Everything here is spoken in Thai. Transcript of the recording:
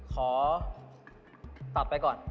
ขอตอบไปก่อน